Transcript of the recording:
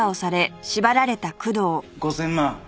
５０００万